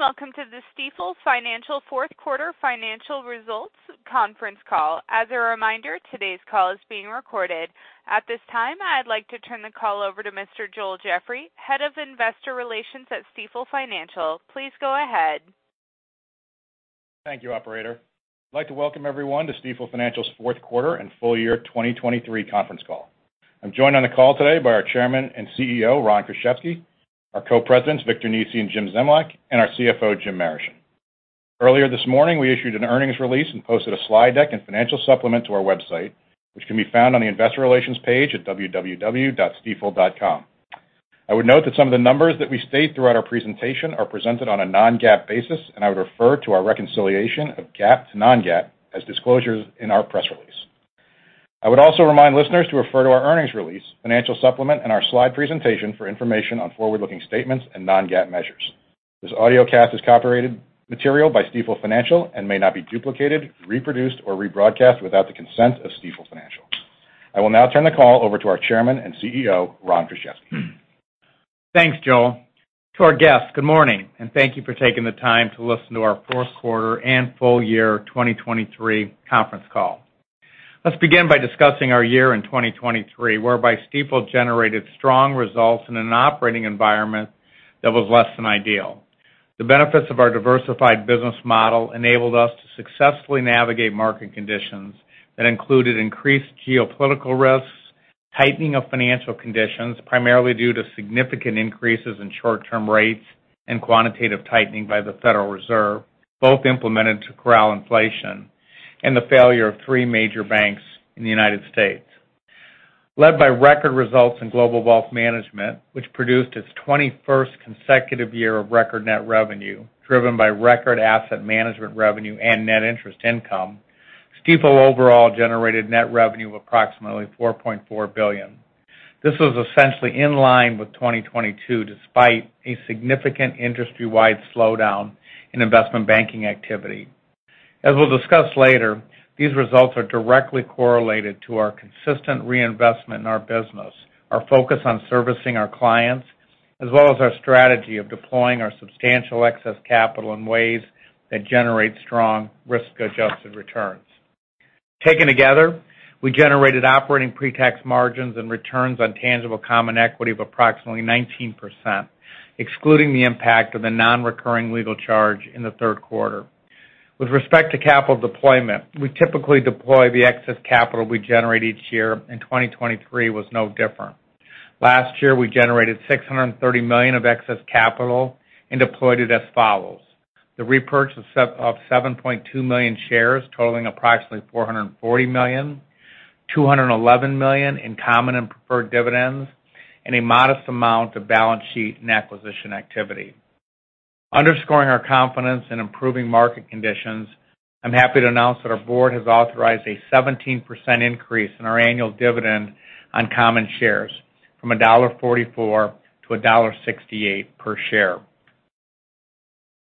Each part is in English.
Good day, and welcome to the Stifel Financial fourth quarter financial results conference call. As a reminder, today's call is being recorded. At this time, I'd like to turn the call over to Mr. Joel Jeffrey, Head of Investor Relations at Stifel Financial. Please go ahead. Thank you, operator. I'd like to welcome everyone to Stifel Financial's fourth quarter and full year 2023 conference call. I'm joined on the call today by our Chairman and CEO, Ron Kruszewski, our Co-Presidents, Victor Nesi and Jim Zemlyak, and our CFO, Jim Marischen. Earlier this morning, we issued an earnings release and posted a slide deck and financial supplement to our website, which can be found on the Investor Relations page at www.stifel.com. I would note that some of the numbers that we state throughout our presentation are presented on a non-GAAP basis, and I would refer to our reconciliation of GAAP to non-GAAP as disclosures in our press release. I would also remind listeners to refer to our earnings release, financial supplement, and our slide presentation for information on forward-looking statements and non-GAAP measures. This audiocast is copyrighted material by Stifel Financial and may not be duplicated, reproduced, or rebroadcast without the consent of Stifel Financial. I will now turn the call over to our Chairman and CEO, Ron Kruszewski. Thanks, Joel. To our guests, good morning, and thank you for taking the time to listen to our fourth quarter and full year 2023 conference call. Let's begin by discussing our year in 2023, whereby Stifel generated strong results in an operating environment that was less than ideal. The benefits of our diversified business model enabled us to successfully navigate market conditions that included increased geopolitical risks, tightening of financial conditions, primarily due to significant increases in short-term rates and quantitative tightening by the Federal Reserve, both implemented to corral inflation and the failure of three major banks in the United States. Led by record results in Global Wealth Management, which produced its 21st consecutive year of record net revenue, driven by record asset management revenue and net interest income, Stifel overall generated net revenue of approximately $4.4 billion. This was essentially in line with 2022, despite a significant industry-wide slowdown in investment banking activity. As we'll discuss later, these results are directly correlated to our consistent reinvestment in our business, our focus on servicing our clients, as well as our strategy of deploying our substantial excess capital in ways that generate strong risk-adjusted returns. Taken together, we generated operating pre-tax margins and returns on tangible common equity of approximately 19%, excluding the impact of the non-recurring legal charge in the third quarter. With respect to capital deployment, we typically deploy the excess capital we generate each year, and 2023 was no different. Last year, we generated $630 million of excess capital and deployed it as follows: the repurchase of seven point two million shares, totaling approximately $440 million, $211 million in common and preferred dividends, and a modest amount of balance sheet and acquisition activity. Underscoring our confidence in improving market conditions, I'm happy to announce that our board has authorized a 17% increase in our annual dividend on common shares from $1.44 to $1.68 per share.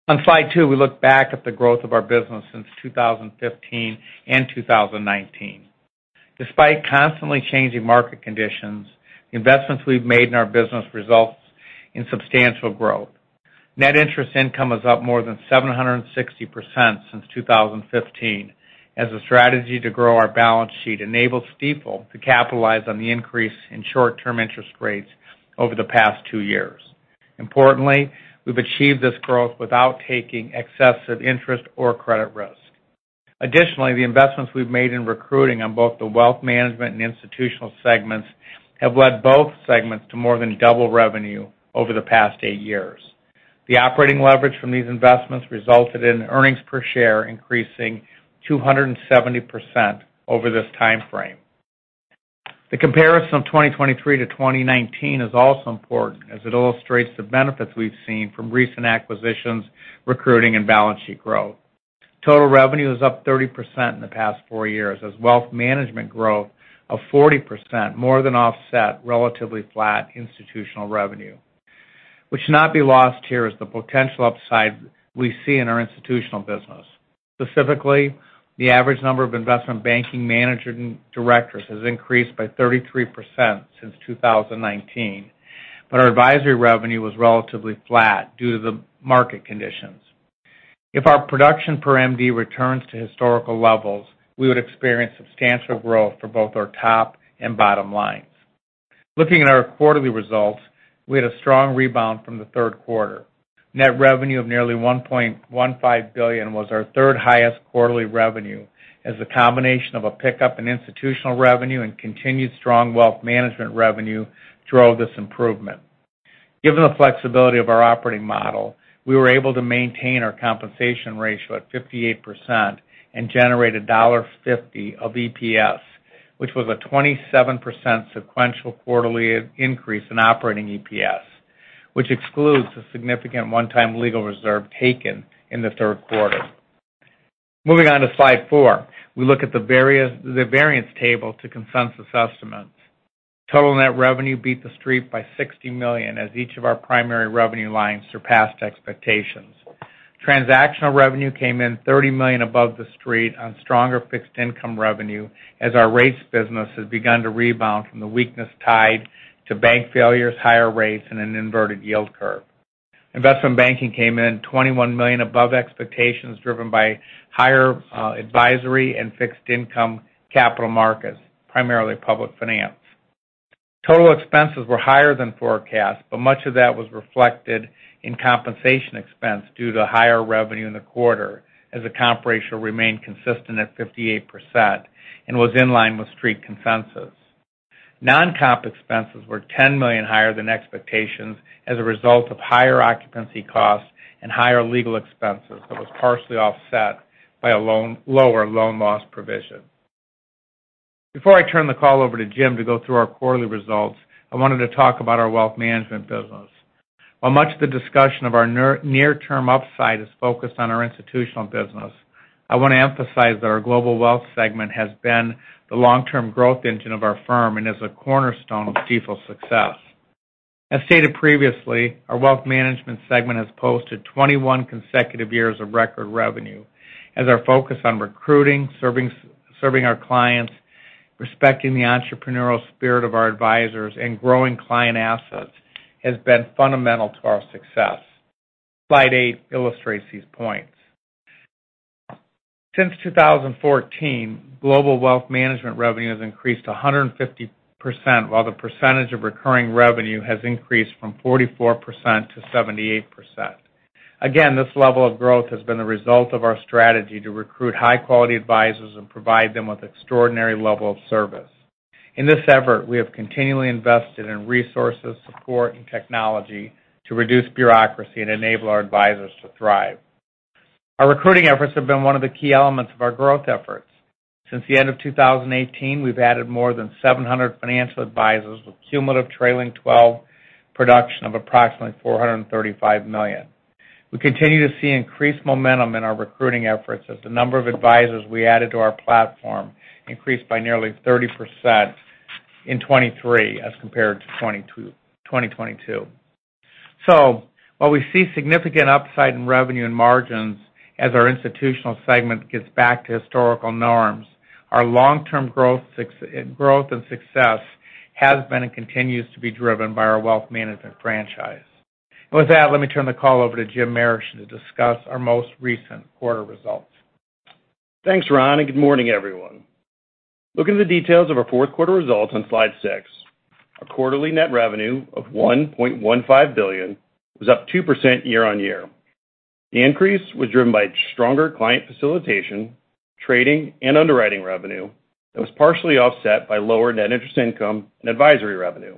On Slide 2, we look back at the growth of our business since 2015 and 2019. Despite constantly changing market conditions, the investments we've made in our business results in substantial growth. Net interest income is up more than 760% since 2015, as a strategy to grow our balance sheet enables Stifel to capitalize on the increase in short-term interest rates over the past two years. Importantly, we've achieved this growth without taking excessive interest or credit risk. Additionally, the investments we've made in recruiting on both the wealth management and institutional segments, have led both segments to more than double revenue over the past eight years. The operating leverage from these investments resulted in earnings per share increasing 270% over this time frame. The comparison of 2023 to 2019 is also important, as it illustrates the benefits we've seen from recent acquisitions, recruiting, and balance sheet growth. Total revenue is up 30% in the past four years, as wealth management growth of 40% more than offset relatively flat institutional revenue. What should not be lost here is the potential upside we see in our institutional business. Specifically, the average number of investment banking managing directors has increased by 33% since 2019, but our advisory revenue was relatively flat due to the market conditions. If our production per MD returns to historical levels, we would experience substantial growth for both our top and bottom lines. Looking at our quarterly results, we had a strong rebound from the third quarter. Net revenue of nearly $1.15 billion was our third highest quarterly revenue, as a combination of a pickup in institutional revenue and continued strong wealth management revenue drove this improvement. Given the flexibility of our operating model, we were able to maintain our compensation ratio at 58% and generate $1.50 of EPS, which was a 27% sequential quarterly increase in operating EPS, which excludes the significant one-time legal reserve taken in the third quarter. Moving on to Slide four. We look at the variance table to consensus estimates. Total net revenue beat The Street by $60 million, as each of our primary revenue lines surpassed expectations. Transactional revenue came in $30 million above The Street on stronger fixed income revenue, as our rates business has begun to rebound from the weakness tied to bank failures, higher rates, and an inverted yield curve. Investment banking came in $21 million above expectations, driven by higher advisory and fixed income capital markets, primarily public finance. Total expenses were higher than forecast, but much of that was reflected in compensation expense due to higher revenue in the quarter, as the comp ratio remained consistent at 58% and was in line with Street consensus. Non-comp expenses were $10 million higher than expectations as a result of higher occupancy costs and higher legal expenses, that was partially offset by a lower loan loss provision. Before I turn the call over to Jim to go through our quarterly results, I wanted to talk about our wealth management business. While much of the discussion of our near-term upside is focused on our institutional business, I want to emphasize that our global wealth segment has been the long-term growth engine of our firm and is a cornerstone of Stifel's success. As stated previously, our wealth management segment has posted 21 consecutive years of record revenue, as our focus on recruiting, serving our clients, respecting the entrepreneurial spirit of our advisors, and growing client assets, has been fundamental to our success. Slide eight illustrates these points. Since 2014, global wealth management revenue has increased 150%, while the percentage of recurring revenue has increased from 44% to 78%. Again, this level of growth has been the result of our strategy to recruit high-quality advisors and provide them with extraordinary level of service. In this effort, we have continually invested in resources, support, and technology to reduce bureaucracy and enable our advisors to thrive. Our recruiting efforts have been one of the key elements of our growth efforts. Since the end of 2018, we've added more than 700 financial advisors with cumulative trailing twelve production of approximately $435 million. We continue to see increased momentum in our recruiting efforts, as the number of advisors we added to our platform increased by nearly 30% in 2023 as compared to 2022. So while we see significant upside in revenue and margins as our institutional segment gets back to historical norms, our long-term growth and success has been and continues to be driven by our wealth management franchise. And with that, let me turn the call over to Jim Marischen to discuss our most recent quarter results. Thanks, Ron, and good morning, everyone. Looking at the details of our fourth quarter results on Slide six. Our quarterly net revenue of $1.15 billion was up 2% year-over-year. The increase was driven by stronger client facilitation, trading and underwriting revenue that was partially offset by lower net interest income and advisory revenue.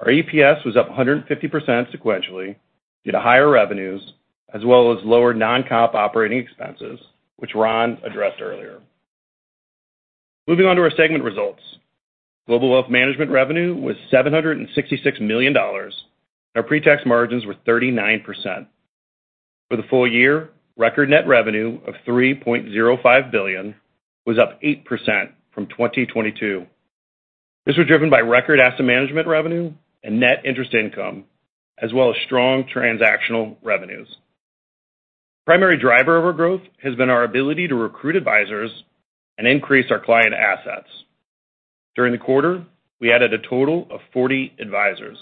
Our EPS was up 150% sequentially due to higher revenues as well as lower non-comp operating expenses, which Ron addressed earlier. Moving on to our segment results. Global Wealth Management revenue was $766 million. Our pre-tax margins were 39%. For the full year, record net revenue of $3.05 billion was up 8% from 2022. This was driven by record asset management revenue and net interest income, as well as strong transactional revenues. Primary driver of our growth has been our ability to recruit advisors and increase our client assets. During the quarter, we added a total of 40 advisors.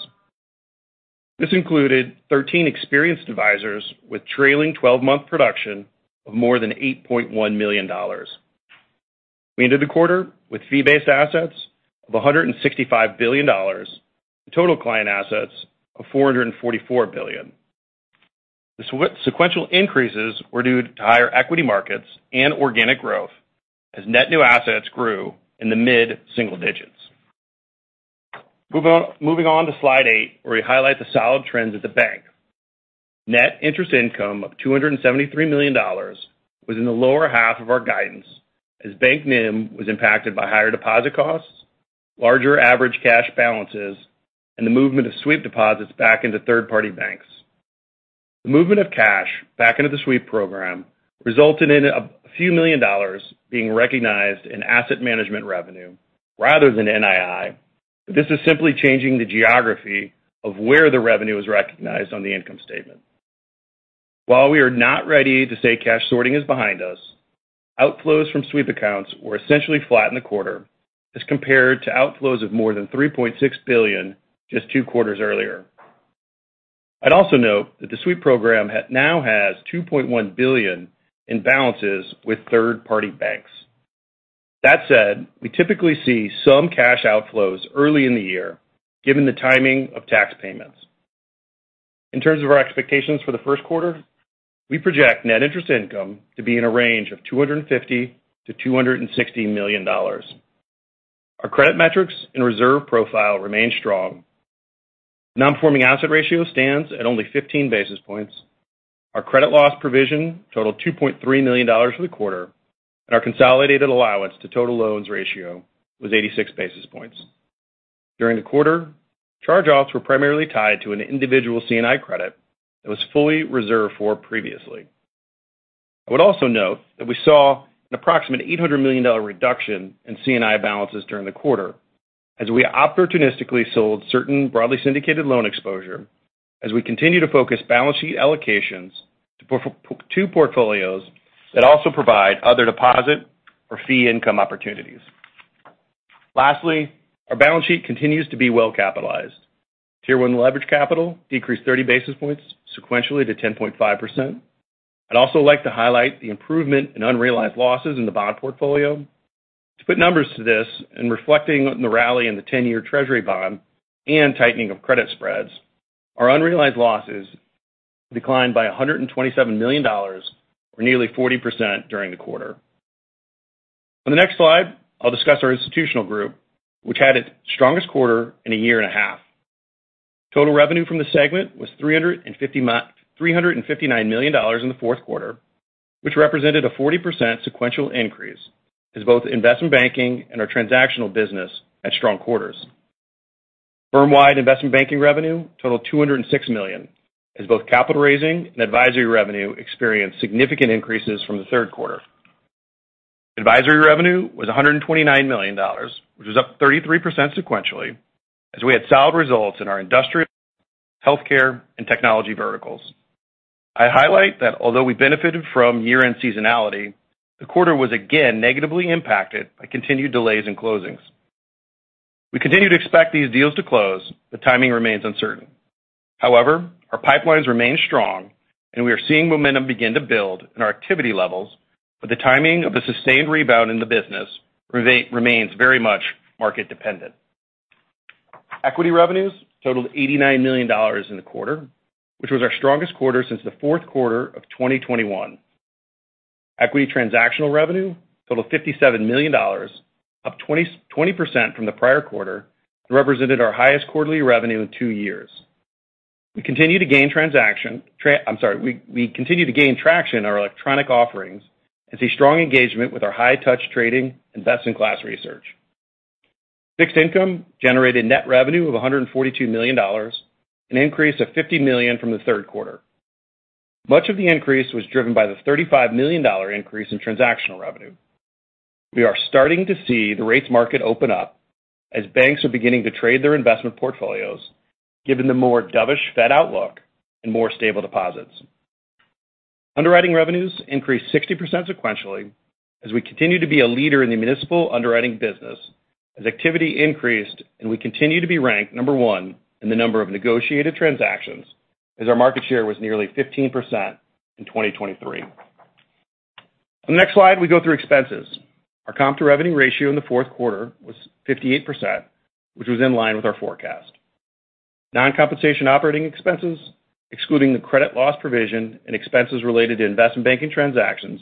This included 13 experienced advisors with trailing twelve-month production of more than $8.1 million. We ended the quarter with fee-based assets of $165 billion, and total client assets of $444 billion. The sequential increases were due to higher equity markets and organic growth as net new assets grew in the mid-single digits. Moving on, moving on to Slide eight, where we highlight the solid trends at the bank. Net interest income of $273 million was in the lower half of our guidance, as Bank NIM was impacted by higher deposit costs, larger average cash balances, and the movement of sweep deposits back into third-party banks. The movement of cash back into the sweep program resulted in a few million dollars being recognized in asset management revenue rather than NII. This is simply changing the geography of where the revenue is recognized on the income statement. While we are not ready to say cash sorting is behind us, outflows from sweep accounts were essentially flat in the quarter as compared to outflows of more than $3.6 billion just two quarters earlier. I'd also note that the sweep program now has $2.1 billion in balances with third-party banks. That said, we typically see some cash outflows early in the year given the timing of tax payments. In terms of our expectations for the first quarter, we project net interest income to be in a range of $250 million-$260 million. Our credit metrics and reserve profile remain strong. Non-performing asset ratio stands at only 15 basis points. Our credit loss provision totaled $2.3 million for the quarter, and our consolidated allowance to total loans ratio was 86 basis points. During the quarter, charge-offs were primarily tied to an individual C&I credit that was fully reserved for previously. I would also note that we saw an approximate $800 million reduction in C&I balances during the quarter as we opportunistically sold certain broadly syndicated loan exposure as we continue to focus balance sheet allocations to to portfolios that also provide other deposit or fee income opportunities. Lastly, our balance sheet continues to be well capitalized. Tier 1 leverage capital decreased 30 basis points sequentially to 10.5%. I'd also like to highlight the improvement in unrealized losses in the bond portfolio. To put numbers to this, and reflecting on the rally in the 10-year treasury bond and tightening of credit spreads, our unrealized losses declined by $127 million, or nearly 40% during the quarter. On the next slide, I'll discuss our institutional group, which had its strongest quarter in a year and a half. Total revenue from the segment was $359 million in the fourth quarter, which represented a 40% sequential increase, as both investment banking and our transactional business had strong quarters. Firm-wide investment banking revenue totaled $206 million, as both capital raising and advisory revenue experienced significant increases from the third quarter. Advisory revenue was $129 million, which was up 33% sequentially, as we had solid results in our industrial, healthcare, and technology verticals. I highlight that although we benefited from year-end seasonality, the quarter was again negatively impacted by continued delays in closings. We continue to expect these deals to close, but timing remains uncertain. However, our pipelines remain strong, and we are seeing momentum begin to build in our activity levels, but the timing of a sustained rebound in the business remains very much market dependent. Equity revenues totaled $89 million in the quarter, which was our strongest quarter since the fourth quarter of 2021. Equity transactional revenue totaled $57 million, up 20% from the prior quarter, and represented our highest quarterly revenue in two years. We continue to gain transaction—I'm sorry, we continue to gain traction in our electronic offerings and see strong engagement with our high touch trading investment class research. Fixed Income generated net revenue of $142 million, an increase of $50 million from the third quarter. Much of the increase was driven by the $35 million increase in transactional revenue. We are starting to see the rates market open up as banks are beginning to trade their investment portfolios, given the more dovish Fed outlook and more stable deposits. Underwriting revenues increased 60% sequentially as we continue to be a leader in the municipal underwriting business, as activity increased, and we continue to be ranked number one in the number of negotiated transactions, as our market share was nearly 15% in 2023. On the next slide, we go through expenses. Our comp-to-revenue ratio in the fourth quarter was 58%, which was in line with our forecast. Non-compensation operating expenses, excluding the credit loss provision and expenses related to investment banking transactions,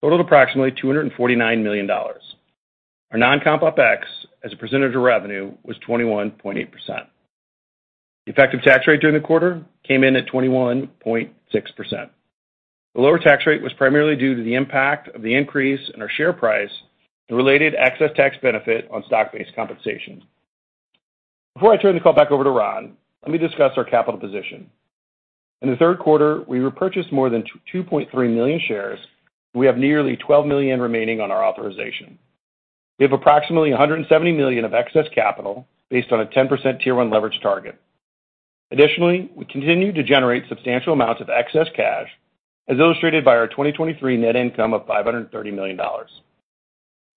totaled approximately $249 million. Our non-comp OpEx, as a percentage of revenue, was 21.8%. The effective tax rate during the quarter came in at 21.6%. The lower tax rate was primarily due to the impact of the increase in our share price and related excess tax benefit on stock-based compensation. Before I turn the call back over to Ron, let me discuss our capital position. In the third quarter, we repurchased more than 2.3 million shares. We have nearly 12 million remaining on our authorization. We have approximately $170 million of excess capital based on a 10% Tier 1 leverage target. Additionally, we continue to generate substantial amounts of excess cash, as illustrated by our 2023 net income of $530 million.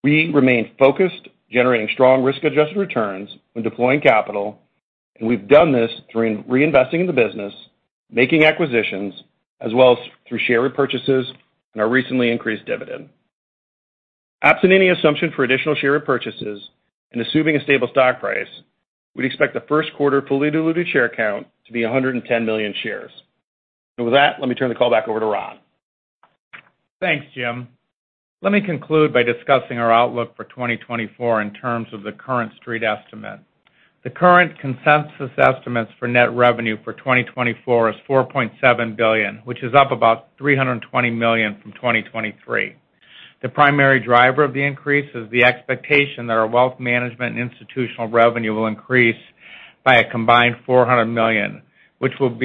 We remain focused, generating strong risk-adjusted returns when deploying capital, and we've done this through reinvesting in the business, making acquisitions, as well as through share repurchases and our recently increased dividend. Absent any assumption for additional share repurchases and assuming a stable stock price, we'd expect the first quarter fully diluted share count to be 110 million shares. And with that, let me turn the call back over to Ron. Thanks, Jim. Let me conclude by discussing our outlook for 2024 in terms of the current Street estimate. The current consensus estimates for net revenue for 2024 is $4.7 billion, which is up about $320 million from 2023. The primary driver of the increase is the expectation that our wealth management and institutional revenue will increase by a combined $400 million, which will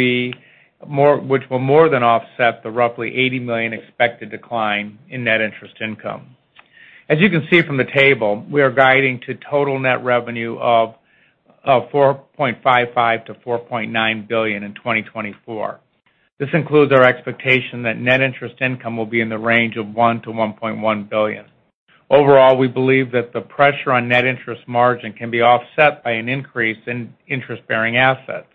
more than offset the roughly $80 million expected decline in net interest income. As you can see from the table, we are guiding to total net revenue of $4.55-$4.9 billion in 2024. This includes our expectation that net interest income will be in the range of $1-$1.1 billion. Overall, we believe that the pressure on net interest margin can be offset by an increase in interest-bearing assets.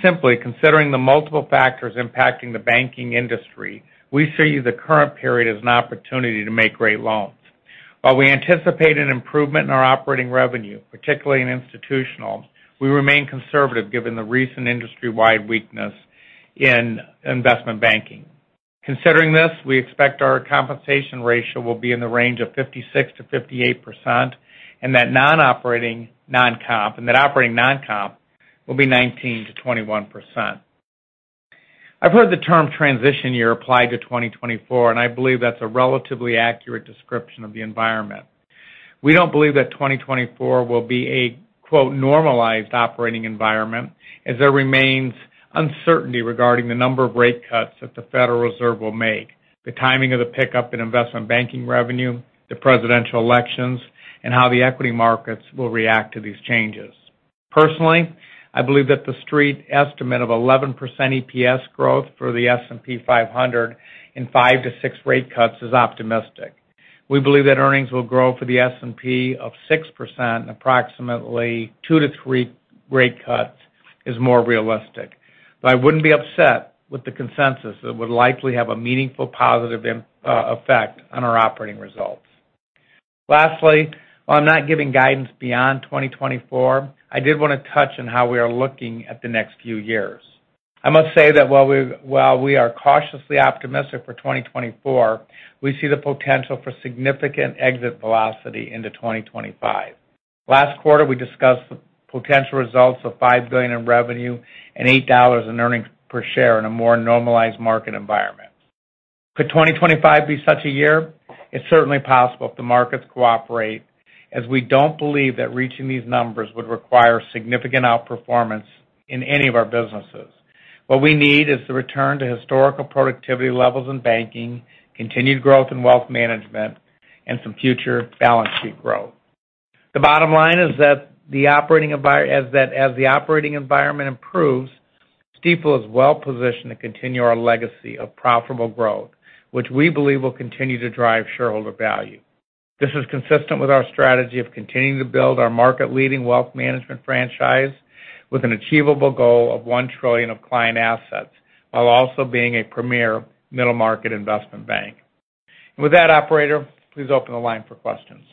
Simply considering the multiple factors impacting the banking industry, we see the current period as an opportunity to make great loans. While we anticipate an improvement in our operating revenue, particularly in institutional, we remain conservative given the recent industry-wide weakness in investment banking. Considering this, we expect our compensation ratio will be in the range of 56%-58%, and that non-operating non-comp -- and that operating non-comp will be 19%-21%. I've heard the term transition year applied to 2024, and I believe that's a relatively accurate description of the environment. We don't believe that 2024 will be a “normalized” operating environment, as there remains uncertainty regarding the number of rate cuts that the Federal Reserve will make, the timing of the pickup in investment banking revenue, the presidential elections, and how the equity markets will react to these changes. Personally, I believe that The Street estimate of 11% EPS growth for the S&P 500 and 5-6 rate cuts is optimistic. We believe that earnings will grow for the S&P 500 6%, approximately 2-3 rate cuts is more realistic. But I wouldn't be upset with the consensus that would likely have a meaningful positive effect on our operating results. Lastly, while I'm not giving guidance beyond 2024, I did want to touch on how we are looking at the next few years. I must say that while we are cautiously optimistic for 2024, we see the potential for significant exit velocity into 2025. Last quarter, we discussed the potential results of $5 billion in revenue and $8 in earnings per share in a more normalized market environment. Could 2025 be such a year? It's certainly possible if the markets cooperate, as we don't believe that reaching these numbers would require significant outperformance in any of our businesses. What we need is the return to historical productivity levels in banking, continued growth in wealth management, and some future balance sheet growth. The bottom line is that as the operating environment improves, Stifel is well positioned to continue our legacy of profitable growth, which we believe will continue to drive shareholder value. This is consistent with our strategy of continuing to build our market-leading wealth management franchise with an achievable goal of $1 trillion of client assets, while also being a premier middle-market investment bank. With that, operator, please open the line for questions.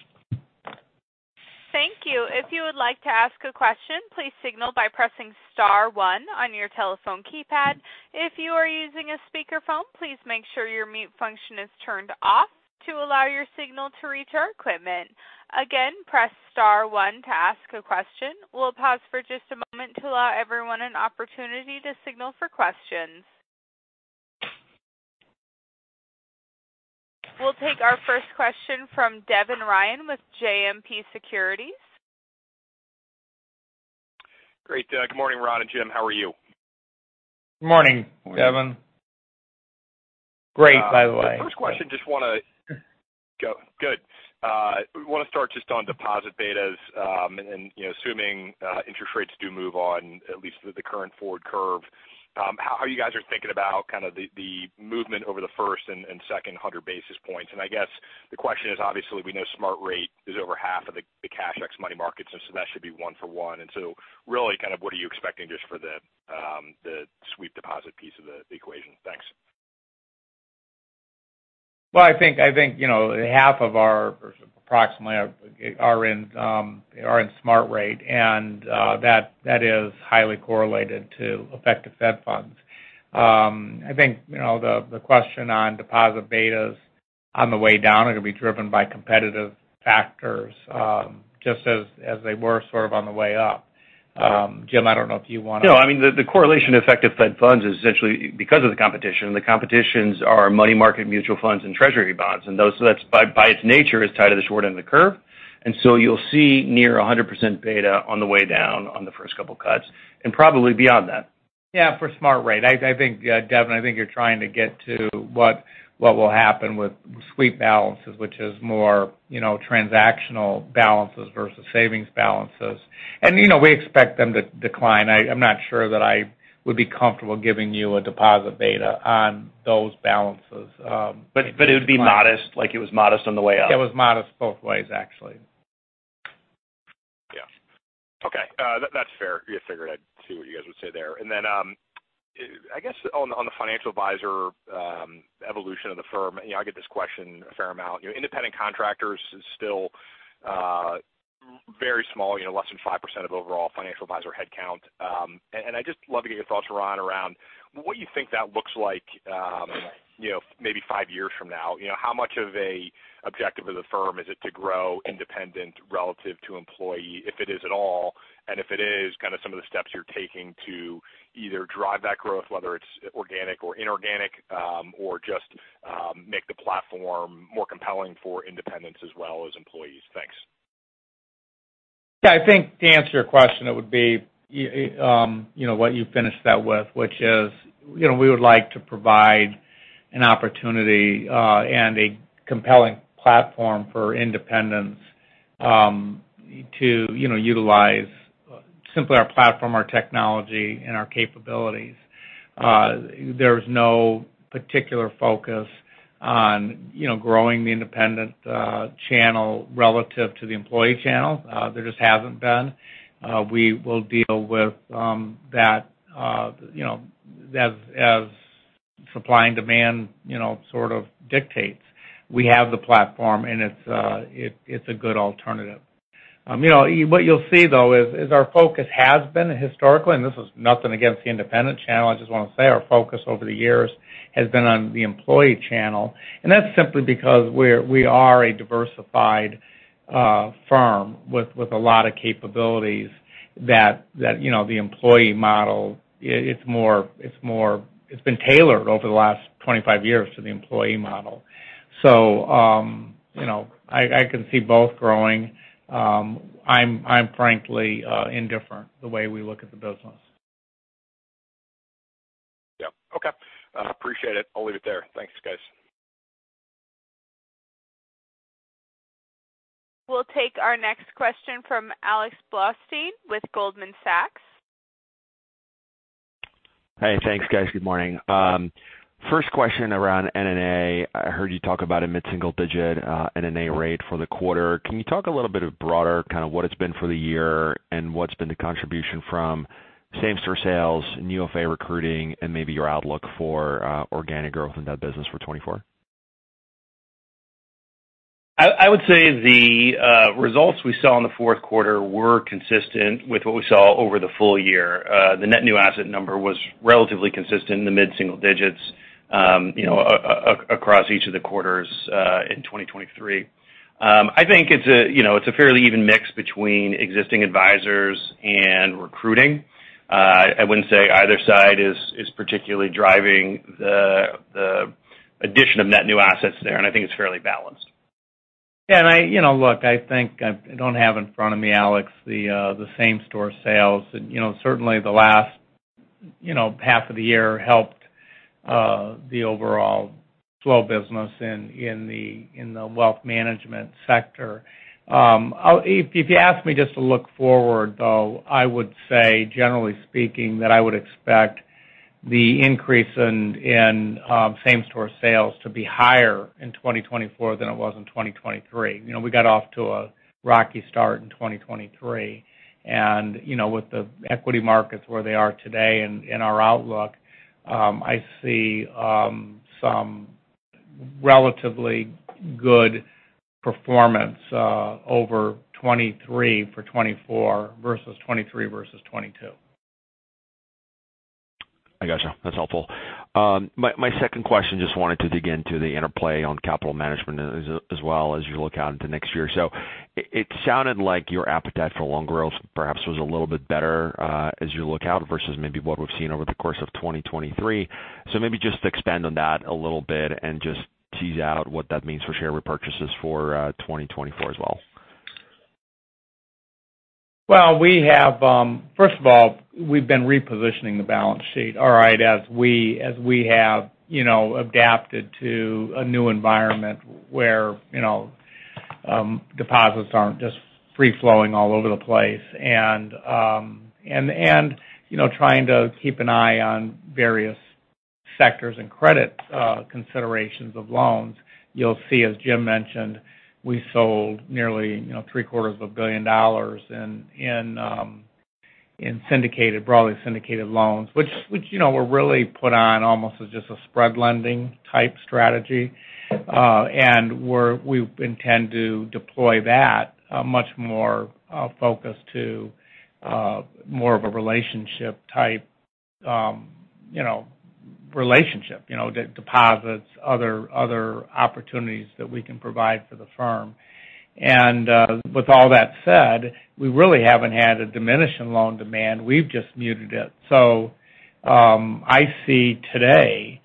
Thank you. If you would like to ask a question, please signal by pressing star one on your telephone keypad. If you are using a speakerphone, please make sure your mute function is turned off to allow your signal to reach our equipment. Again, press star one to ask a question. We'll pause for just a moment to allow everyone an opportunity to signal for questions. We'll take our first question from Devin Ryan with JMP Securities. Great. Good morning, Ron and Jim. How are you? Good morning, Devin. Great, by the way. The first question, just wanna go. Good. We want to start just on deposit betas, and you know, assuming interest rates do move on, at least with the current forward curve, how you guys are thinking about kind of the movement over the first and second 100 basis points? And I guess, the question is, obviously, we know Smart Rate is over half of the cash ex money markets, and so that should be one for one. And so really, kind of what are you expecting just for the sweep deposit piece of the equation? Thanks. Well, I think you know, half of our, approximately, are in Smart Rate, and that is highly correlated to effective Fed funds. I think you know, the question on deposit betas on the way down are going to be driven by competitive factors, just as they were sort of on the way up. Jim, I don't know if you want to- No, I mean, the correlation effective Fed funds is essentially because of the competition. The competitions are money market, mutual funds, and Treasury bonds, and those, so that's by its nature is tied to the short end of the curve. And so you'll see near 100% beta on the way down on the first couple of cuts, and probably beyond that. Yeah, for Smart Rate. I think, Devin, I think you're trying to get to what will happen with sweep balances, which is more, you know, transactional balances versus savings balances. You know, we expect them to decline. I'm not sure that I would be comfortable giving you a deposit beta on those balances, but- But it would be modest, like it was modest on the way up. It was modest both ways, actually. Yeah. Okay, that's fair. You figured I'd see what you guys would say there. And then, I guess on the financial advisor evolution of the firm, you know, I get this question a fair amount. You know, independent contractors is still very small, you know, less than 5% of overall financial advisor headcount. And I just love to get your thoughts, Ron, around what you think that looks like, you know, maybe five years from now. You know, how much of a objective of the firm is it to grow independent relative to employee, if it is at all, and if it is, kind of some of the steps you're taking to either drive that growth, whether it's organic or inorganic, or just make the platform more compelling for independents as well as employees? Thanks. Yeah, I think to answer your question, it would be, you know, what you finished that with, which is, you know, we would like to provide an opportunity and a compelling platform for independents to, you know, utilize simply our platform, our technology, and our capabilities. There's no particular focus on, you know, growing the independent channel relative to the employee channel. There just hasn't been. We will deal with that, you know, as supply and demand, you know, sort of dictates. We have the platform, and it's a good alternative. You know, what you'll see, though, is our focus has been historically, and this is nothing against the independent channel. I just want to say, our focus over the years has been on the employee channel, and that's simply because we are a diversified firm with a lot of capabilities that, you know, the employee model. It's more. It's been tailored over the last 25 years to the employee model. So, you know, I can see both growing. I'm frankly indifferent the way we look at the business. Yep. Okay. I appreciate it. I'll leave it there. Thanks, guys. We'll take our next question from Alex Blostein with Goldman Sachs. Hi. Thanks, guys. Good morning. First question around NNA. I heard you talk about a mid-single digit NNA rate for the quarter. Can you talk a little bit broader, kind of what it's been for the year and what's been the contribution from same-store sales, new FA recruiting, and maybe your outlook for organic growth in that business for 2024? I would say the results we saw in the fourth quarter were consistent with what we saw over the full year. The net new asset number was relatively consistent in the mid-single digits, you know, across each of the quarters in 2023. I think it's a, you know, it's a fairly even mix between existing advisors and recruiting. I wouldn't say either side is particularly driving the addition of net new assets there, and I think it's fairly balanced. Yeah, you know, look, I think I don't have in front of me, Alex, the same-store sales. You know, certainly the last half of the year helped the overall slow business in the wealth management sector. If you ask me just to look forward, though, I would say, generally speaking, that I would expect the increase in same-store sales to be higher in 2024 than it was in 2023. You know, we got off to a rocky start in 2023. You know, with the equity markets where they are today and our outlook, I see some relatively good performance over 2023 for 2024, versus 2023, versus 2022. I gotcha. That's helpful. My second question, just wanted to dig into the interplay on capital management as well as you look out into next year. So it sounded like your appetite for loan growth perhaps was a little bit better, as you look out, versus maybe what we've seen over the course of 2023. So maybe just expand on that a little bit and just tease out what that means for share repurchases for 2024 as well. Well, we have... First of all, we've been repositioning the balance sheet, all right, as we, as we have, you know, deposits aren't just free flowing all over the place. And, and, you know, trying to keep an eye on various sectors and credit considerations of loans. You'll see, as Jim mentioned, we sold nearly, you know, $750 million in syndicated, broadly syndicated loans, which, you know, were really put on almost as just a spread lending type strategy. And we intend to deploy that, much more focused to, more of a relationship type, you know, relationship. You know, deposits, other opportunities that we can provide for the firm. And, with all that said, we really haven't had a diminishing loan demand. We've just muted it. So, I see today,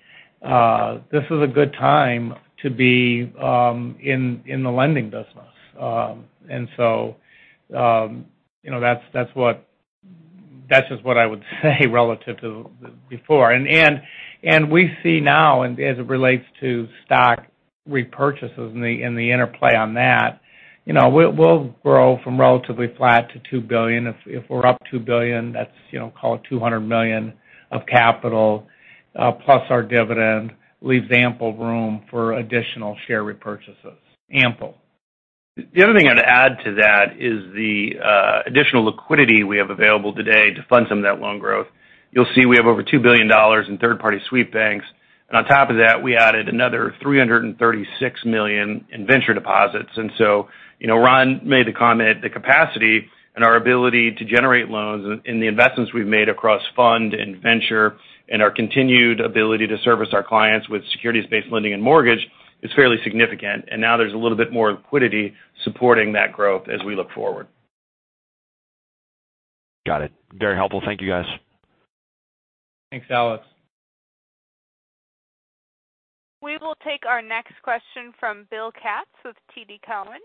this is a good time to be in the lending business. And so, you know, that's, that's what, that's just what I would say relative to before. And we see now, and as it relates to stock repurchases and the interplay on that, you know, we'll grow from relatively flat to $2 billion. If we're up $2 billion, that's, you know, call it $200 million of capital, plus our dividend, leaves ample room for additional share repurchases. Ample. The other thing I'd add to that is the additional liquidity we have available today to fund some of that loan growth. You'll see we have over $2 billion in third-party sweep banks, and on top of that, we added another $336 million in venture deposits. And so, you know, Ron made the comment, the capacity and our ability to generate loans and the investments we've made across fund and venture, and our continued ability to service our clients with securities-based lending and mortgage is fairly significant. And now there's a little bit more liquidity supporting that growth as we look forward. Got it. Very helpful. Thank you, guys. Thanks, Alex. We will take our next question from Bill Katz with TD Cowen.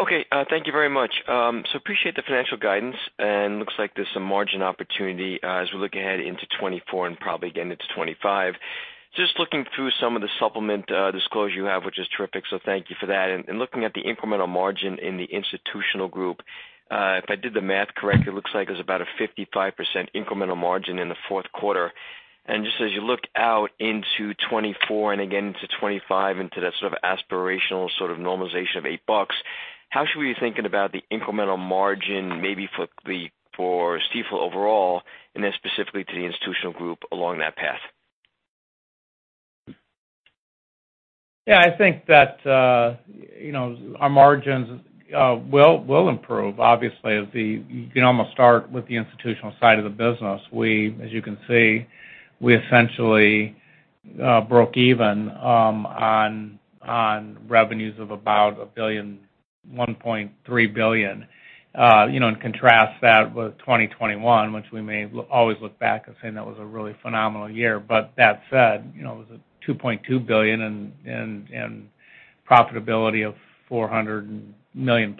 Okay, thank you very much. So appreciate the financial guidance, and looks like there's some margin opportunity, as we look ahead into 2024 and probably again into 2025. Just looking through some of the supplement, disclosure you have, which is terrific, so thank you for that. And looking at the incremental margin in the institutional group, if I did the math correctly, it looks like there's about a 55% incremental margin in the fourth quarter. And just as you look out into 2024 and again into 2025, into that sort of aspirational, sort of normalization of $8, how should we be thinking about the incremental margin, maybe for Stifel overall, and then specifically to the institutional group along that path? Yeah, I think that, you know, our margins will improve. Obviously, as you can almost start with the institutional side of the business. We, as you can see, we essentially broke even on revenues of about $1 billion, $1.3 billion. You know, and contrast that with 2021, which we may always look back and say that was a really phenomenal year. But that said, you know, it was a $2.2 billion and profitability of $400 million+.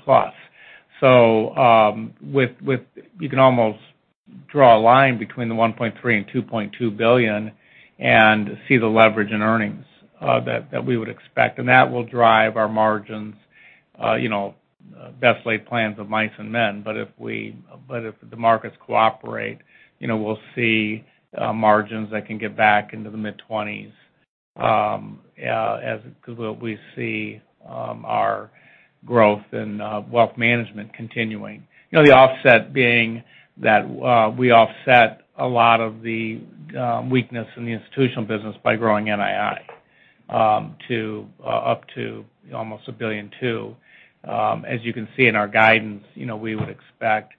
So, with you can almost draw a line between the $1.3 billion and $2.2 billion and see the leverage in earnings that we would expect. And that will drive our margins, you know, best laid plans of mice and men. But if the markets cooperate, you know, we'll see margins that can get back into the mid-twenties, as we see our growth in wealth management continuing. You know, the offset being that we offset a lot of the weakness in the institutional business by growing NII to up to almost $1.2 billion. As you can see in our guidance, you know, we would expect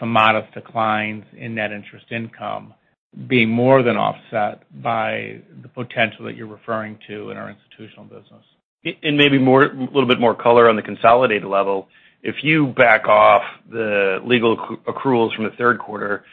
some modest declines in net interest income being more than offset by the potential that you're referring to in our institutional business. Maybe more, a little bit more color on the consolidated level. If you back off the legal accruals from the third quarter,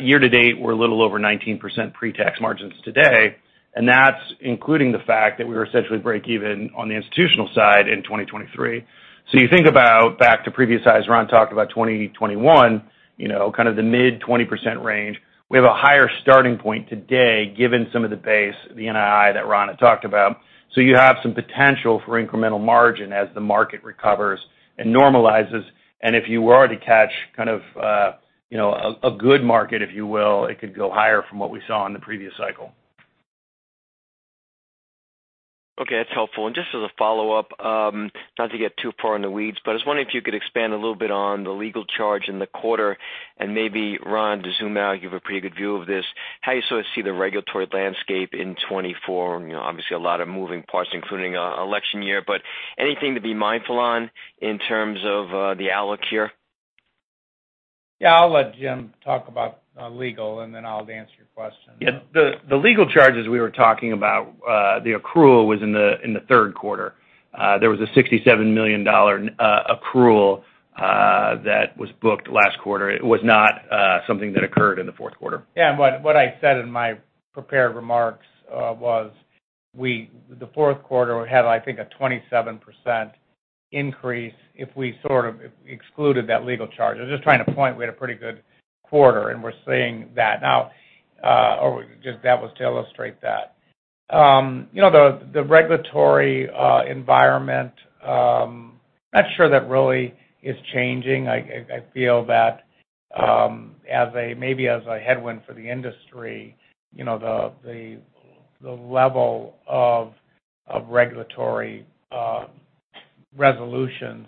year to date, we're a little over 19% pretax margins today, and that's including the fact that we were essentially breakeven on the institutional side in 2023. So you think about back to previous highs, Ron talked about 2021, you know, kind of the mid-20% range. We have a higher starting point today, given some of the base, the NII, that Ron had talked about. So you have some potential for incremental margin as the market recovers and normalizes. And if you were to catch kind of, you know, a good market, if you will, it could go higher from what we saw in the previous cycle. Okay, that's helpful. And just as a follow-up, not to get too far in the weeds, but I was wondering if you could expand a little bit on the legal charge in the quarter. And maybe, Ron, to zoom out, you have a pretty good view of this. How do you sort of see the regulatory landscape in 2024? You know, obviously a lot of moving parts, including, election year, but anything to be mindful on in terms of, the outlook here? Yeah, I'll let Jim talk about legal, and then I'll answer your question. Yeah. The legal charges we were talking about, the accrual was in the third quarter. There was a $67 million accrual that was booked last quarter. It was not something that occurred in the fourth quarter. Yeah, and what I said in my prepared remarks was the fourth quarter had, I think, a 27% increase if we sort of excluded that legal charge. I was just trying to point we had a pretty good quarter, and we're seeing that now, or just that was to illustrate that. You know, the regulatory environment, not sure that really is changing. I feel that, as a, maybe as a headwind for the industry, you know, the level of regulatory resolutions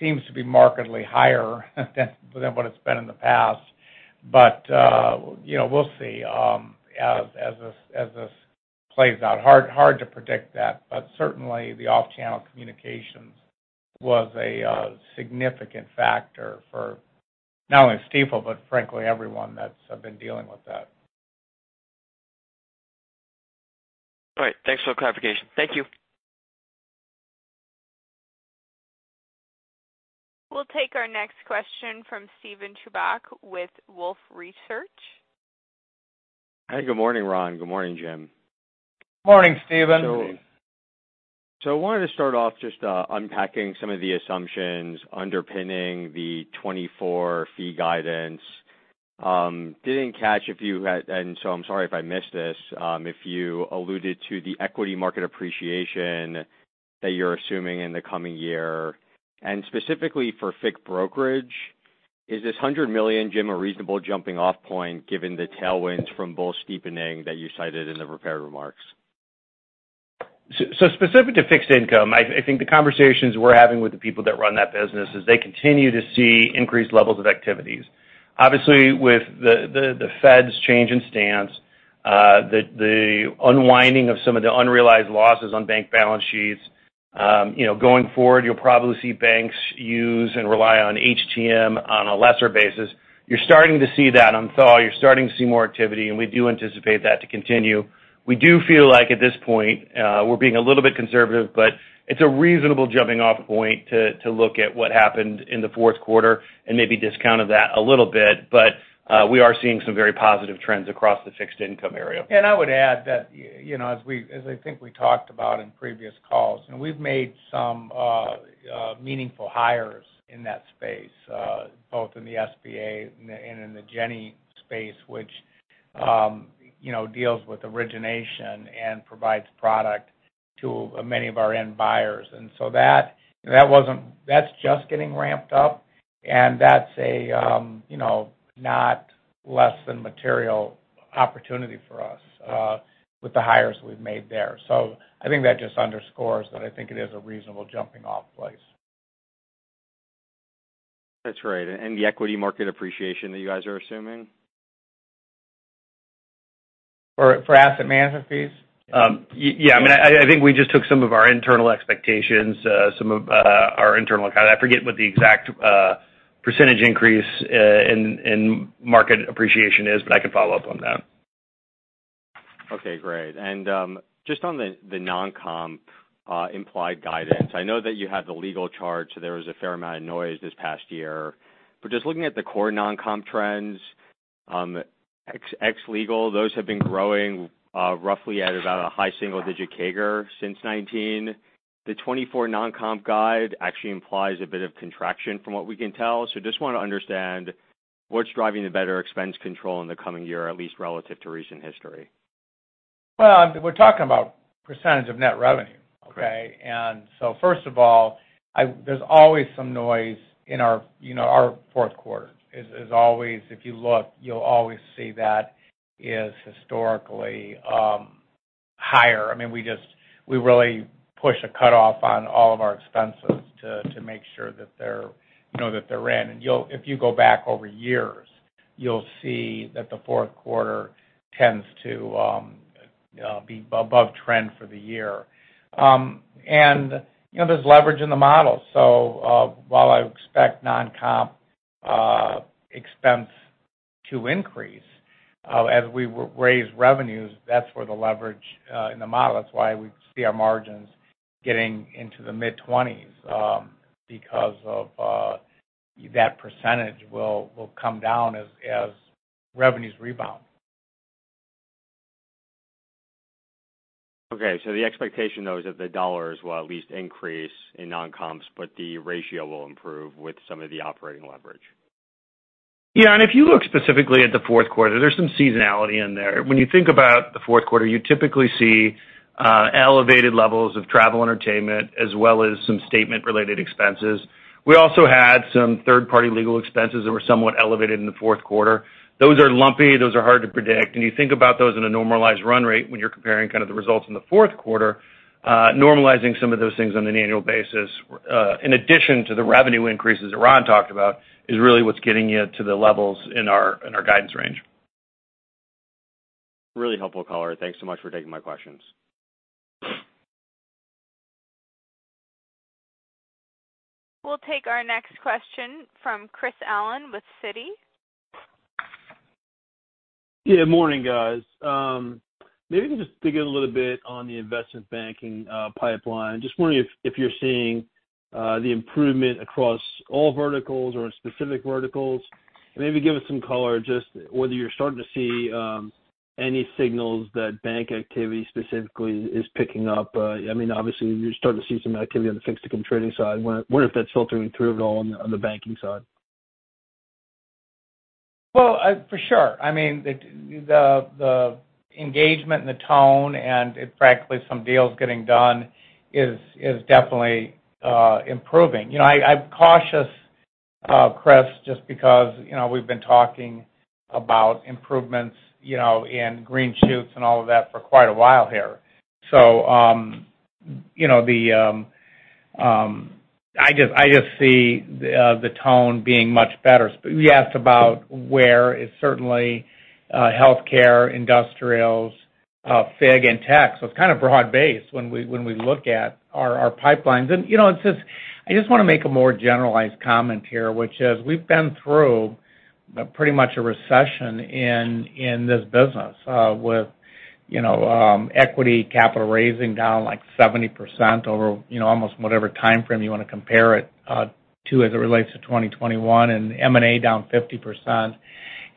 seems to be markedly higher than what it's been in the past. But, you know, we'll see, as this plays out. Hard, hard to predict that, but certainly, the off-channel communications was a significant factor for not only Stifel, but frankly, everyone that's been dealing with that. All right. Thanks for the clarification. Thank you. We'll take our next question from Steven Chubak with Wolfe Research. Hi, good morning, Ron. Good morning, Jim. Morning, Steven. So, I wanted to start off just unpacking some of the assumptions underpinning the 2024 fee guidance. Didn't catch if you had, and so I'm sorry if I missed this, if you alluded to the equity market appreciation that you're assuming in the coming year. And specifically for FICC brokerage, is this $100 million, Jim, a reasonable jumping off point, given the tailwinds from bull steepening that you cited in the prepared remarks? So specific to fixed income, I think the conversations we're having with the people that run that business is they continue to see increased levels of activities. Obviously, with the Fed's change in stance, the unwinding of some of the unrealized losses on bank balance sheets, you know, going forward, you'll probably see banks use and rely on HTM on a lesser basis. You're starting to see that unthaw. You're starting to see more activity, and we do anticipate that to continue. We do feel like, at this point, we're being a little bit conservative, but it's a reasonable jumping off point to look at what happened in the fourth quarter and maybe discounted that a little bit. But we are seeing some very positive trends across the fixed income area. And I would add that, you know, as I think we talked about in previous calls, and we've made some meaningful hires in that space, both in the SBA and in the Ginnie space, which, you know, deals with origination and provides product to many of our end buyers. And so that's just getting ramped up, and that's a, you know, not less than material opportunity for us, with the hires we've made there. So I think that just underscores that I think it is a reasonable jumping off place. That's right. The equity market appreciation that you guys are assuming? For asset management fees? Yeah. I mean, I think we just took some of our internal expectations, some of our internal. I forget what the exact percentage increase in market appreciation is, but I can follow up on that. Okay, great. And just on the non-comp implied guidance, I know that you had the legal charge, so there was a fair amount of noise this past year. But just looking at the core non-comp trends, ex-legal, those have been growing roughly at about a high single-digit CAGR since 2019. The 2024 non-comp guide actually implies a bit of contraction from what we can tell. So just want to understand, what's driving the better expense control in the coming year, at least relative to recent history? Well, we're talking about percentage of net revenue, okay? Correct. And so first of all, there's always some noise in our, you know, our fourth quarter. It is always, if you look, you'll always see that it is historically higher. I mean, we just really push a cutoff on all of our expenses to make sure that they're, you know, that they're in. And if you go back over years, you'll see that the fourth quarter tends to be above trend for the year. And, you know, there's leverage in the model. So, while I expect non-comp expense to increase as we raise revenues, that's where the leverage in the model. That's why we see our margins getting into the mid-20s because of that percentage will come down as revenues rebound. Okay, so the expectation, though, is that the dollars will at least increase in non-comps, but the ratio will improve with some of the operating leverage. Yeah, and if you look specifically at the fourth quarter, there's some seasonality in there. When you think about the fourth quarter, you typically see elevated levels of travel entertainment as well as some statement-related expenses. We also had some third-party legal expenses that were somewhat elevated in the fourth quarter. Those are lumpy. Those are hard to predict. When you think about those in a normalized run rate, when you're comparing kind of the results in the fourth quarter, normalizing some of those things on an annual basis, in addition to the revenue increases that Ron talked about, is really what's getting you to the levels in our, in our guidance range. Really helpful color. Thanks so much for taking my questions. We'll take our next question from Chris Allen with Citi. Yeah, morning, guys. Maybe just dig in a little bit on the investment banking pipeline. Just wondering if you're seeing the improvement across all verticals or in specific verticals? Maybe give us some color, just whether you're starting to see any signals that bank activity specifically is picking up. I mean, obviously, you're starting to see some activity on the fixed income trading side. I wonder if that's filtering through at all on the banking side. Well, for sure. I mean, the engagement and the tone and, frankly, some deals getting done is definitely improving. You know, I'm cautious, Chris, just because, you know, we've been talking about improvements, you know, in green shoots and all of that for quite a while here. So, you know, I just see the tone being much better. You asked about where. It's certainly healthcare, industrials, FIG, and tech. So it's kind of broad-based when we look at our pipelines. You know, it's just—I just want to make a more generalized comment here, which is, we've been through pretty much a recession in this business, with, you know, equity capital raising down, like, 70% over, you know, almost whatever timeframe you want to compare it to, as it relates to 2021, and M&A down 50%.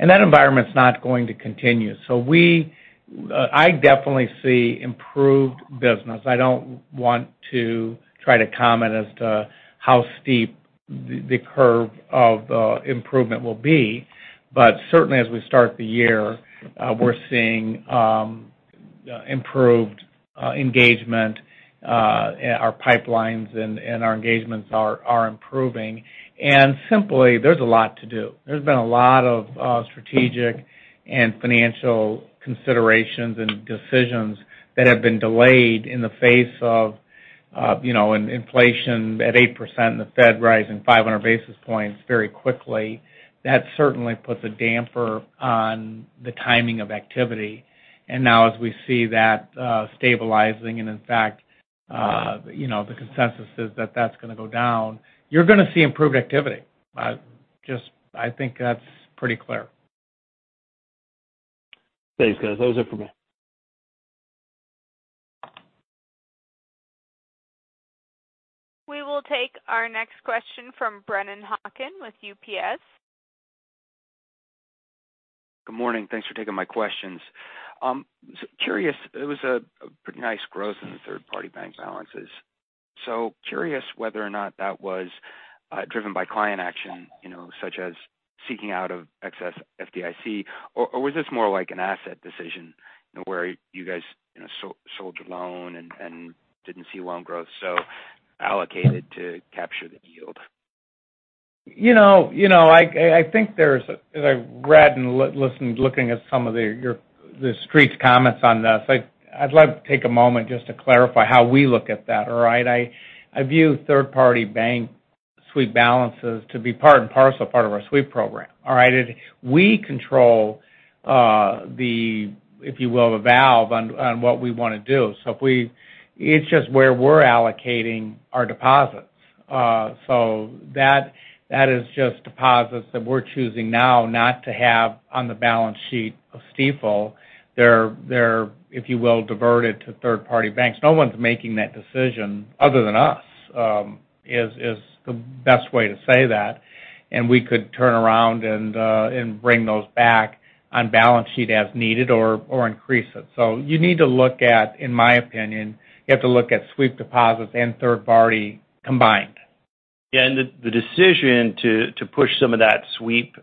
That environment's not going to continue. We definitely see improved business. I don't want to try to comment as to how steep the curve of improvement will be, but certainly as we start the year, we're seeing improved engagement, our pipelines and our engagements are improving. Simply, there's a lot to do. There's been a lot of strategic and financial considerations and decisions that have been delayed in the face of you know, an inflation at 8% and the Fed rising 500 basis points very quickly. That certainly puts a damper on the timing of activity. And now, as we see that stabilizing, and in fact you know, the consensus is that that's going to go down, you're going to see improved activity. Just, I think that's pretty clear. Thanks, guys. That was it for me. We will take our next question from Brennan Hawken with UBS. Good morning. Thanks for taking my questions. Curious, it was a pretty nice growth in the third-party bank balances. So curious whether or not that was driven by client action, you know, such as seeking out of excess FDIC, or was this more like an asset decision, where you guys, you know, sold a loan and didn't see loan growth, so allocated to capture the yield? You know, I think there's as I've read and listened, looking at some of The Street's comments on this, I'd like to take a moment just to clarify how we look at that, all right? I view third-party bank sweep balances to be part and parcel, part of our sweep program, all right? We control the valve on what we want to do. So it's just where we're allocating our deposits. So that is just deposits that we're choosing now not to have on the balance sheet of Stifel. They're diverted to third-party banks. No one's making that decision other than us. That's the best way to say that. We could turn around and bring those back on balance sheet as needed or increase it. You need to look at, in my opinion, you have to look at sweep deposits and third-party combined. Yeah, and the decision to push some of that sweep,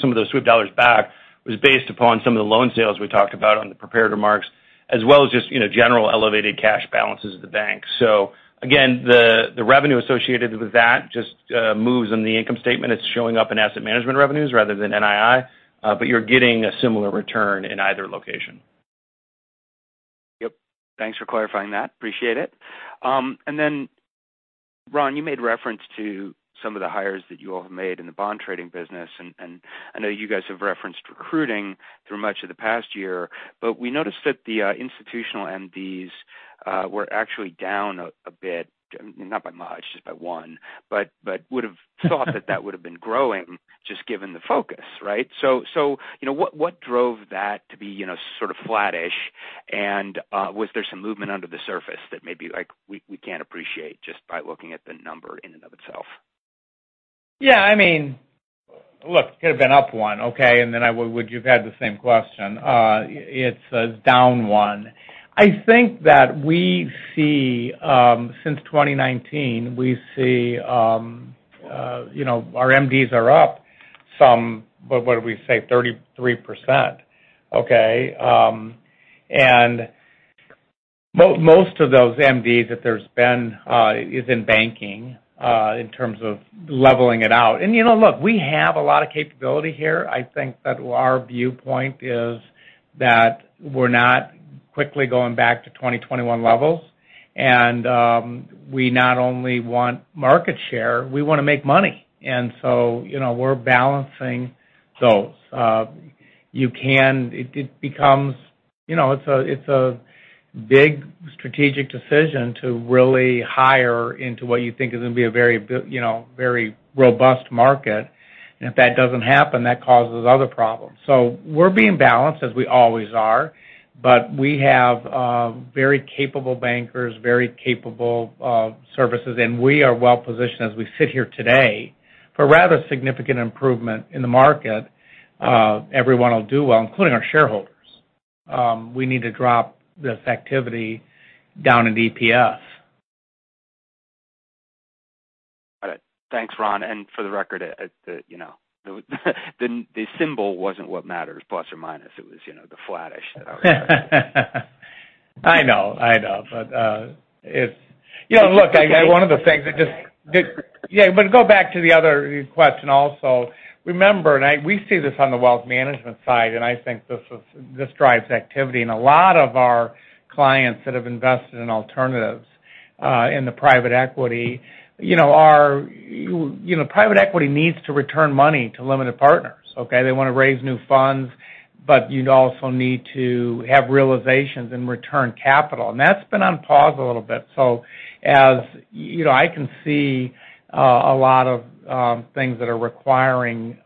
some of those sweep dollars back, was based upon some of the loan sales we talked about on the prepared remarks, as well as just, you know, general elevated cash balances of the bank. So again, the revenue associated with that just moves in the income statement. It's showing up in Asset Management revenues rather than NII, but you're getting a similar return in either location. Yep. Thanks for clarifying that. Appreciate it. And then, Ron, you made reference to some of the hires that you all have made in the bond trading business. And I know you guys have referenced recruiting through much of the past year, but we noticed that the institutional MDs were actually down a bit. Not by much, just by one, but would've thought that that would've been growing, just given the focus, right? So, you know, what drove that to be, you know, sort of flattish? And was there some movement under the surface that maybe, like, we can't appreciate just by looking at the number in and of itself? Yeah, I mean, look, it could have been up one, okay, and then I would, you've had the same question. It's down one. I think that we see since 2019, we see you know, our MDs are up some, but what did we say? 33%, okay? And most of those MDs that there's been is in banking in terms of leveling it out. And, you know, look, we have a lot of capability here. I think that our viewpoint is that we're not quickly going back to 2021 levels, and we not only want market share, we wanna make money, and so, you know, we're balancing those. You can... It becomes, you know, it's a big strategic decision to really hire into what you think is gonna be a very robust market. And if that doesn't happen, that causes other problems. So we're being balanced, as we always are, but we have very capable bankers, very capable services, and we are well positioned as we sit here today. For rather significant improvement in the market, everyone will do well, including our shareholders. We need to drop this activity down in EPS. Got it. Thanks, Ron, and for the record, you know, the symbol wasn't what matters, plus or minus. It was, you know, the flattish that I was- I know, I know, but it's- Just- You know, look, I, one of the things that just... Yeah, but go back to the other question also. Remember, we see this on the wealth management side, and I think this is, this drives activity. And a lot of our clients that have invested in alternatives, in the private equity, you know, are, you know... Private equity needs to return money to limited partners, okay? They want to raise new funds, but you'd also need to have realizations and return capital, and that's been on pause a little bit. So, you know, I can see, a lot of things that are requiring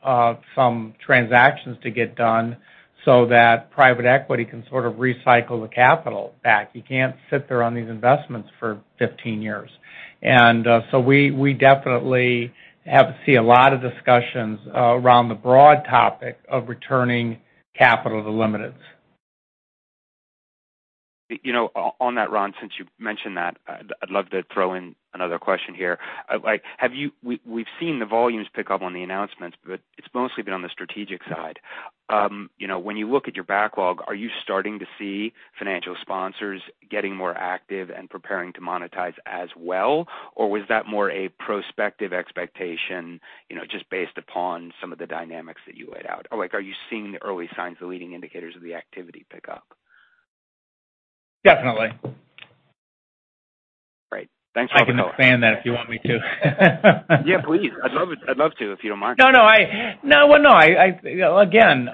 some transactions to get done so that private equity can sort of recycle the capital back. You can't sit there on these investments for 15 years. And, so we, we definitely have to see a lot of discussions, around the broad topic of returning capital to limiteds. You know, on that, Ron, since you mentioned that, I'd love to throw in another question here. Like, have you—we, we've seen the volumes pick up on the announcements, but it's mostly been on the strategic side. You know, when you look at your backlog, are you starting to see financial sponsors getting more active and preparing to monetize as well? Or was that more a prospective expectation, you know, just based upon some of the dynamics that you laid out? Or, like, are you seeing the early signs, the leading indicators of the activity pick up? Definitely. Great. Thanks for- I can expand that if you want me to. Yeah, please. I'd love it, I'd love to, if you don't mind. No, well, no, I again,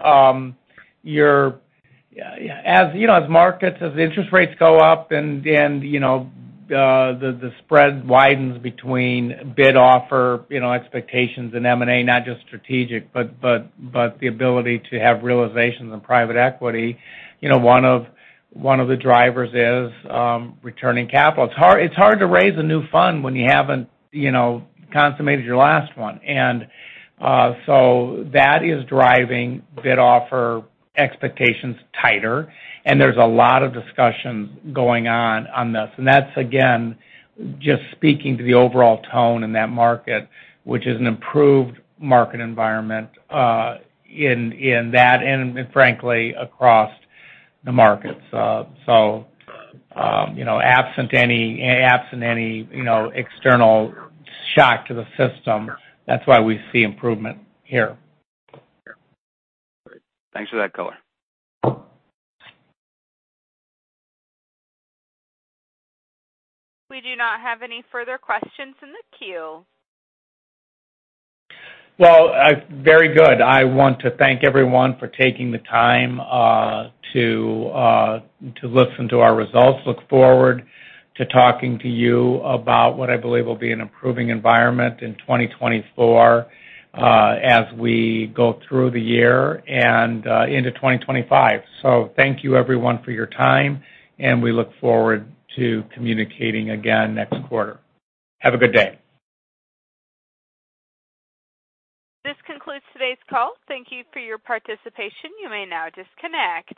as you know, as markets, as the interest rates go up and, and you know, the spread widens between bid offer, you know, expectations and M&A, not just strategic, but the ability to have realizations in private equity, you know, one of the drivers is returning capital. It's hard, it's hard to raise a new fund when you haven't, you know, consummated your last one. And so that is driving bid-offer expectations tighter, and there's a lot of discussions going on on this. And that's, again, just speaking to the overall tone in that market, which is an improved market environment, in that and frankly, across the markets. So, you know, absent any external shock to the system, that's why we see improvement here. Great. Thanks for that color. We do not have any further questions in the queue. Well, very good. I want to thank everyone for taking the time to listen to our results. Look forward to talking to you about what I believe will be an improving environment in 2024, as we go through the year and into 2025. So thank you, everyone, for your time, and we look forward to communicating again next quarter. Have a good day. This concludes today's call. Thank you for your participation. You may now disconnect.